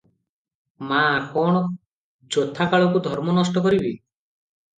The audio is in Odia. ମା - କଣ ଯଥାକାଳକୁ ଧର୍ମ ନଷ୍ଟ କରିବି?